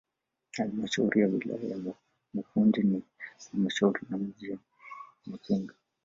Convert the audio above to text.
Halmashauri ya wilaya ya Mufindi na Halmashauri ya mji wa Mafinga